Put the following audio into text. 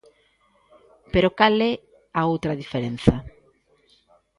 Pero cal é a outra diferenza?